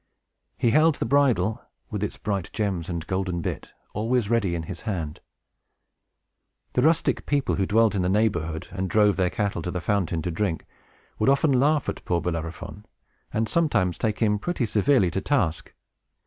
He held the bridle, with its bright gems and golden bit, always ready in his hand. The rustic people, who dwelt in the neighborhood, and drove their cattle to the fountain to drink, would often laugh at poor Bellerophon, and sometimes take him pretty severely to task.